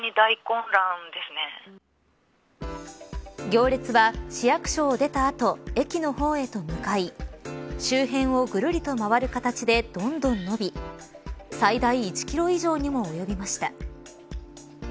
行列は市役所を出た後駅の方へと向かい周辺をぐるりと回る形でどんどん伸び最大１キロ以上にも及びました。